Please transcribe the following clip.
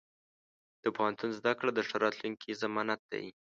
د پوهنتون زده کړه د ښه راتلونکي ضمانت دی.